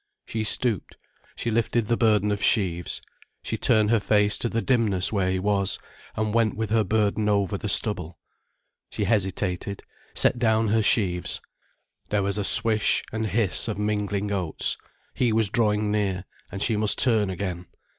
She stooped, she lifted the burden of sheaves, she turned her face to the dimness where he was, and went with her burden over the stubble. She hesitated, set down her sheaves, there was a swish and hiss of mingling oats, he was drawing near, and she must turn again.